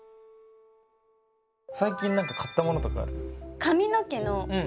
最近何か買ったものとかある？